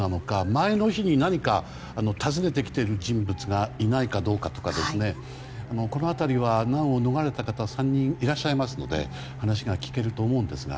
前の日に何か訪ねてきている人物がいないかどうかとかこの辺りは難を逃れた方が３人いらっしゃいますので話が聞けると思うんですが。